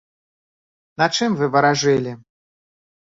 На чым вы варажылі?